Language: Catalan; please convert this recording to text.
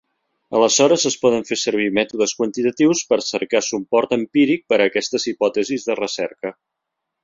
Aleshores es poden fer servir mètodes quantitatius per cercar suport empíric per a aquestes hipòtesis de recerca.